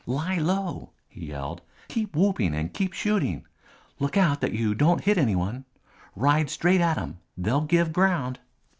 "Lie low!" he yelled. "Keep whooping and keep shooting. Look out that you don't hit any one. Ride straight at them. They'll give ground."